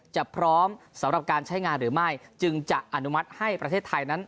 พร้อมสำหรับการใช้งานหรือไม่จึงจะอนุมัติให้ประเทศไทยนั้น